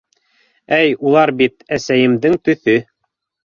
Эй, улар бит... әсәйемдең төҫө.